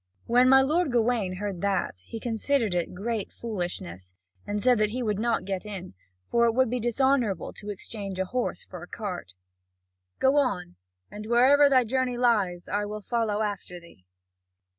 When my lord Gawain heard that, he considered it great foolishness, and said that he would not get in, for it would be dishonourable to exchange a horse for a cart: "Go on, and wherever thy journey lies, I will follow after thee."